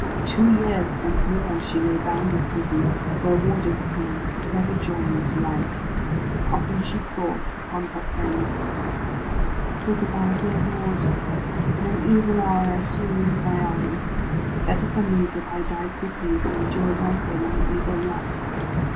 Two years and more she lay bound in prison, where warders came, but never joy or delight. Often she thought upon her friend. "Gugemar, dear lord, in an evil hour I saw you with my eyes. Better for me that I die quickly, than endure longer my evil lot.